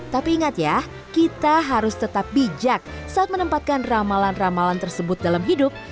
tapi ingat ya kita harus tetap bijak saat menempatkan ramalan ramalan tersebut dalam hidup